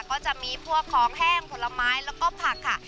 ก็จะมีพวกของแห้งผลไม้แล้วก็ผักค่ะ